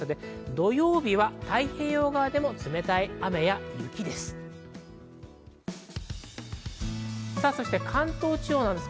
土曜日は太平洋側でも冷たい雨や雪です。